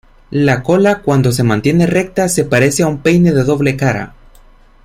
La cola, cuando se mantiene recta, se parece a un peine de doble cara.